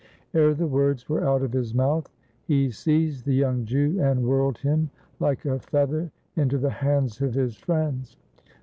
Ere the words were out of his mouth he seized the young Jew and whirled him like a feather into the hands of his friends.